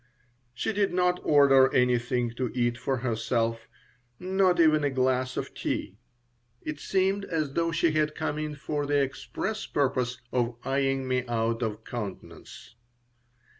She did not order anything to eat for herself, not even a glass of tea. It seemed as though she had come in for the express purpose of eying me out of countenance.